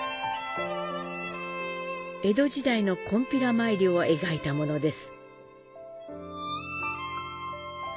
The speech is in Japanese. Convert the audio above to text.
江戸時代のこんぴら参りを描いたものです。